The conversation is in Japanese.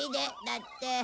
だって。